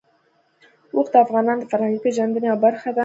اوښ د افغانانو د فرهنګي پیژندنې یوه برخه ده.